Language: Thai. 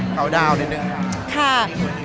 เข้าดาวน์นิดนึงหรือเปล่า